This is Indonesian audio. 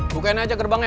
bukain aja gerbangnya